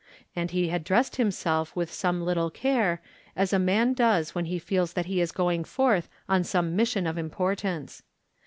And he had dressed himself with some little care, as a man does when he feels that he is going forth on some mission of importance.